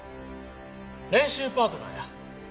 練習パートナーや。